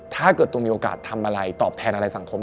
ถ้าเกิดตัวมีโอกาสทำอะไรตอบแทนอะไรสังคม